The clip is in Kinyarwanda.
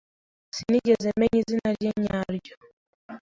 Sinigeze menya izina rye nyaryo.